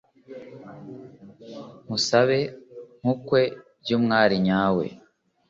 Nkusabe nkukwe by’umwari nyawe